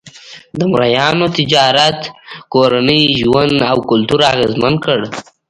د مریانو تجارت کورنی ژوند او کلتور اغېزمن کړ.